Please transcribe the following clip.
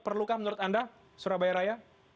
perlukah menurut anda surabaya raya